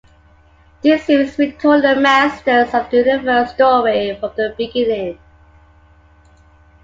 This series retold the Masters of the Universe story from the beginning.